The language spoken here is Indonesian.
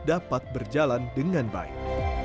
dapat berjalan dengan baik